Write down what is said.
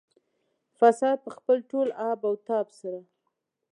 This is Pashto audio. فساد په خپل ټول آب او تاب سره.